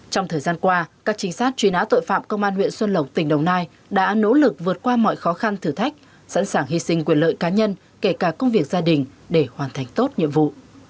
trong thời gian qua các chính sát truy nã tội phạm công an huyện xuân lộc tỉnh đồng nai đã nỗ lực vượt qua mọi khó khăn thử thách sẵn sàng hy sinh quyền lợi cá nhân kể cả công việc gia đình để hoàn thành tốt nhiệm vụ